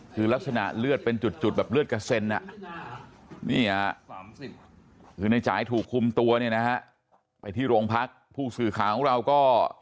คือลักษณะเลือดเป็นจุดแบบเลือดกระเซ็นนี่คือในจ่ายถูกคุมตัวเนี่ยนะฮะไปที่โรงพักผู้สื่อข่าวของเราก็